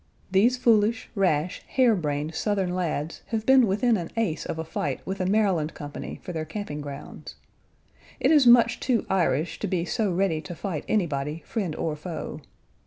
These foolish, rash, hare brained Southern lads have been within an ace of a fight with a Maryland company for their camping grounds. It is much too Irish to be so ready to fight anybody, friend or foe.